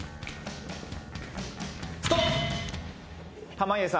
濱家さん